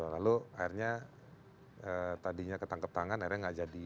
lalu akhirnya tadinya ketangkep tangan akhirnya nggak jadi